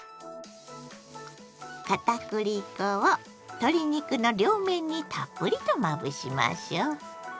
片栗粉を鶏肉の両面にたっぷりとまぶしましょ！